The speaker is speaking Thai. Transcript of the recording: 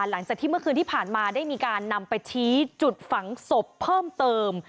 หลังจากที่เมื่อคืนที่ผ่านมาได้มีการนำไปชี้จุดฝังศพเพิ่มเติม